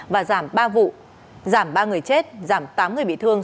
và giảm ba vụ giảm ba người chết giảm tám người bị thương